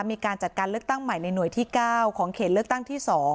มีการจัดการเลือกตั้งใหม่ในหน่วยที่๙ของเขตเลือกตั้งที่๒